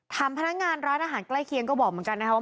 พนักงานร้านอาหารใกล้เคียงก็บอกเหมือนกันนะครับว่า